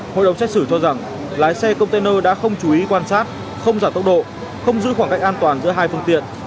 hội đồng xét xử cho rằng lái xe container đã không chú ý quan sát không giảm tốc độ không giữ khoảng cách an toàn giữa hai phương tiện